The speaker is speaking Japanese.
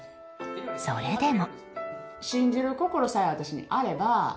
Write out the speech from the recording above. それでも。